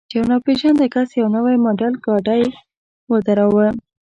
چې یو ناپېژانده کس یو نوی ماډل ګاډی ودراوه.